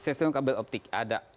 sistem kabel optik ada